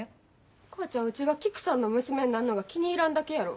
お母ちゃんうちが菊さんの娘になんのが気に入らんだけやろ。